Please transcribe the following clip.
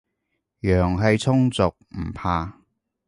陽氣充足，唔怕